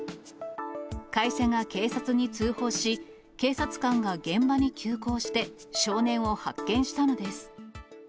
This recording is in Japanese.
会社が警察に通報し、警察官が現場に急行して、少年を発見したのです。